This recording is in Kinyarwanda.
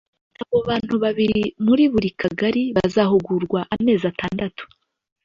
Abo bantu babiri muri buri Kagali bazahugurwa amezi atandatu